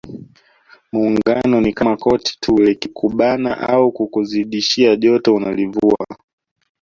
Muungano ni kama koti tu likikubana au kukuzidishia joto unalivua